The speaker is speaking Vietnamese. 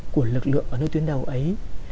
của lực lượng ở nơi tuyến đầu ấy